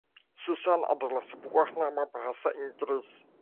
Susan adalah sebuah nama bahasa Inggris.